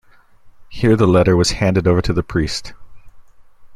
Here the letter was handed over to the priest.